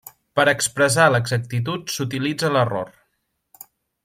Per expressar l’exactitud, s’utilitza l’error.